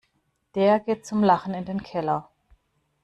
Der geht zum Lachen in den Keller.